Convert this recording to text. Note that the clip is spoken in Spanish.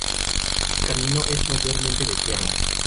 Este camino es mayormente de tierra.